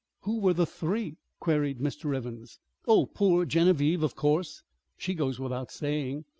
"Who were the three?" queried Mr. Evans. "Oh, poor Genevieve, of course; she goes without saying.